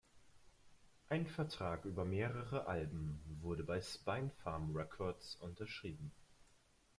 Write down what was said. Ein Vertrag über mehrere Alben wurde bei Spinefarm Records unterschrieben.